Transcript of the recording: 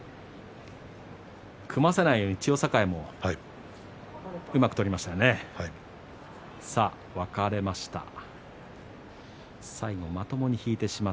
組ませないように千代栄もうまく取りましたね。